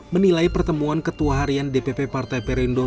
menilai pertemuan ketua harian dpp partai perindo